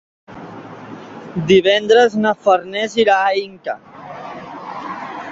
Divendres na Farners irà a Inca.